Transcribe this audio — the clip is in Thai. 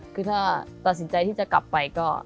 คือถ้าตัดสินใจที่จะกลับไปก็